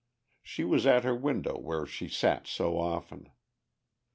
She was at her window where she sat so often.